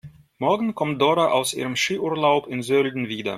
Morgen kommt Dora aus ihrem Skiurlaub in Sölden wieder.